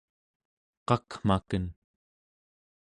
qakmaken